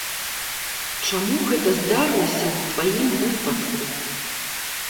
Чаму гэта здарылася ў тваім выпадку?